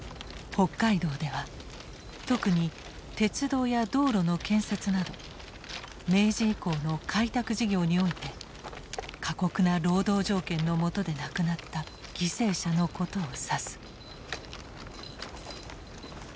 北海道では特に鉄道や道路の建設など明治以降の開拓事業において過酷な労働条件の下で亡くなった犠牲者のことを指す。